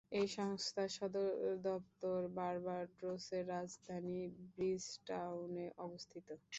এই সংস্থার সদর দপ্তর বার্বাডোসের রাজধানী ব্রিজটাউনে অবস্থিত।